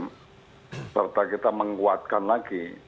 tentangan kita menguatkan lagi